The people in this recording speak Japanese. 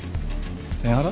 センハラ？